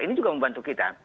ini juga membantu kita